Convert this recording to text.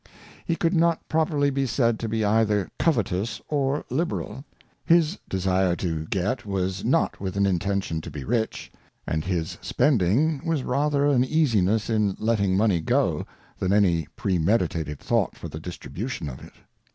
He could not properly be said to be either covetous or liberal ; his desire to get was not with an Intention to be rich ; and his spending was rather an Easiness in letting Money go, than any premeditated Thought for the Distribution of it.